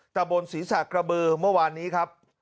ตะบนศรีษะกระบือเมื่อวานนี้ครับ